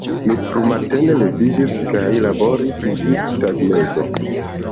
Mi frumatene leviĝis kaj laboris ĝis tagmezo.